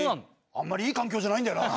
あんまりいい環境じゃないんだよな。